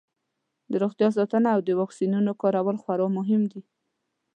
د روغتیا ساتنه او د واکسینونو کارول خورا مهم دي.